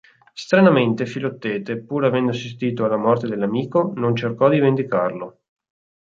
Stranamente, Filottete, pur avendo assistito alla morte dell'amico, non cercò di vendicarlo.